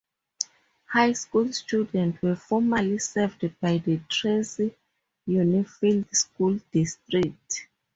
High school students were formerly served by the Tracy Unified School District.